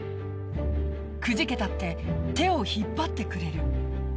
くじけたって手を引っ張ってくれる。